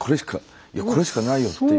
「いやこれしかないよ」っていう